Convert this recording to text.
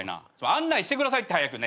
案内してくださいって早く。